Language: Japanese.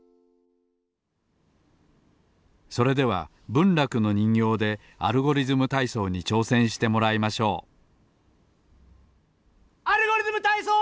それでは文楽の人形で「アルゴリズムたいそう」にちょうせんしてもらいましょう「アルゴリズムたいそう」！